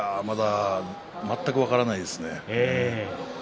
全く分からないですね。